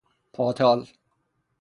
پاتال